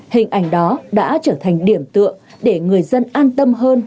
hình ảnh đó đã trở thành điểm tựa để người dân an tâm hơn